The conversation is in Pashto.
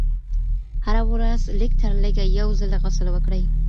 هره ورځ لږ تر لږه یو ځل غسل وکړئ.